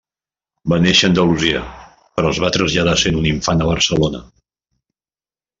Va néixer a Andalusia, però es va traslladar sent un infant a Barcelona.